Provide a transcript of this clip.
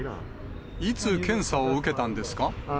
いつ検査を受けたんですか？